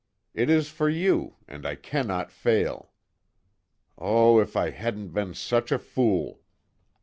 It is for you and I cannot fail! Oh, if I hadn't been such a fool!"